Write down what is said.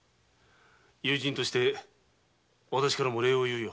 友人としてわたしからも礼を言うよ。